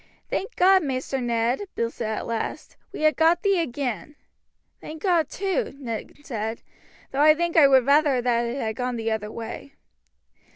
"Thank God, Maister Ned," Bill said at last, "we ha' got thee again!" "Thank God too!" Ned said; "though I think I would rather that it had gone the other way."